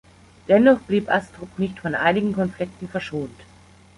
Dennoch blieb Astrup nicht von einigen Konflikten verschont.